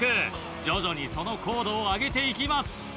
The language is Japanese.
徐々にその高度を上げて行きます。